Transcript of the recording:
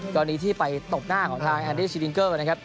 ตอนนี้ที่ไปตกหน้าของทางแอนดี้ชิดิงเกิลนะครับ